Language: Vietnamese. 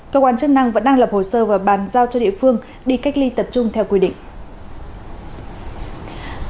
cơ quan chức năng vẫn đang lập hồ sơ và bàn giao cho địa phương đi cách ly tập trung theo quy định